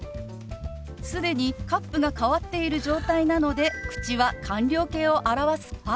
既にカップが変わっている状態なので口は完了形を表す「パ」。